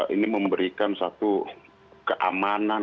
ini memberikan satu keamanan